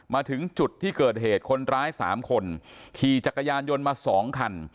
มาถึงจุดที่เกิดเหตุคนร้าย๓คนขี่จักรยานยนต์มา๒คัน